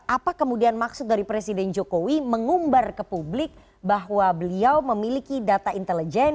apa kemudian maksud dari presiden jokowi mengumbar ke publik bahwa beliau memiliki data intelijen